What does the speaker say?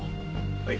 はい。